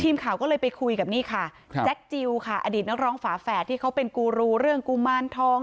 ทีมข่าวก็เลยไปคุยกับนี่ค่ะแจ็คจิลค่ะอดีตนักร้องฝาแฝดที่เขาเป็นกูรูเรื่องกุมารทอง